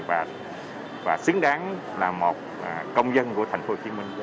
và xứng đáng là một công dân của thành phố hồ chí minh